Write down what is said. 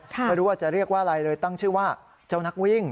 ไม่รู้ว่าจะเรียกว่าอะไรเลยตั้งชื่อว่าเจ้านักวิ่ง